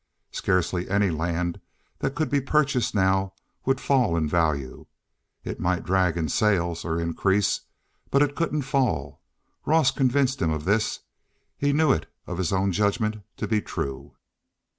Scarcely any land that could be purchased now would fall in value. It might drag in sales or increase, but it couldn't fall. Ross convinced him of this. He knew it of his own judgment to be true.